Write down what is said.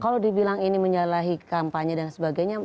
kalau di bilang ini menyalahi kampanye dan sebagainya